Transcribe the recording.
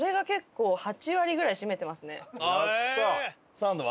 サンドは？